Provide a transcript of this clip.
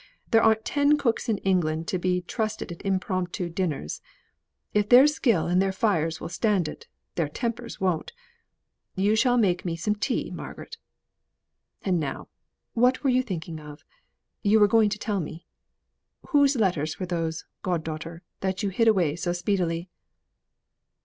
There aren't ten cooks in England to be trusted at impromptu dinners. If their skill and their fires will stand it, their tempers won't. You shall make me some tea, Margaret. And now, what were you thinking of? you were going to tell me. Whose letters were those, god daughter, that you hid away so speedily?"